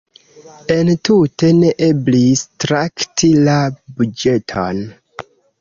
Entute ne eblis trakti la buĝeton.